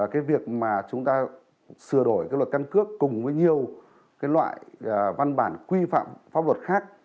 cái việc mà chúng ta sửa đổi luật căng cước cùng với nhiều loại văn bản quy phạm pháp luật khác